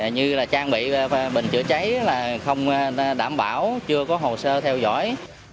như là trang bị bình chữa cháy là không đảm bảo chưa có hồ sơ theo dõi